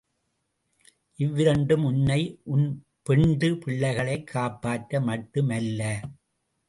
இவ்விரண்டும் உன்னை, உன் பெண்டு பிள்ளைகளைக் காப்பாற்ற மட்டும் அல்ல.